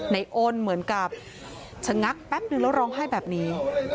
ในอ้นเหมือนกับชะงักแป๊บนึงแล้วร้องไห้แบบนี้